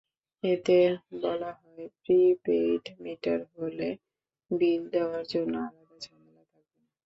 এতে বলা হয়, প্রি-পেইড মিটার হলে বিল দেওয়ার জন্য আলাদা ঝামেলা থাকবে না।